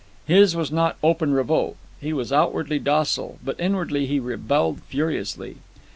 His was not open revolt. He was outwardly docile, but inwardly he rebelled furiously.